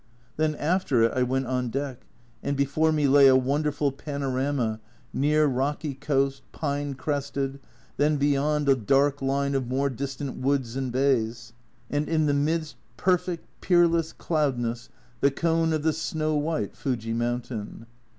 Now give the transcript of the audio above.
Then after it I went on deck, and before me lay a wonderful pano rama, near rocky coast, pine crested, then beyond a dark line of more distant woods and bays, and in the midst, perfect, peerless, cloudless, the cone of the snow white Fuji mountain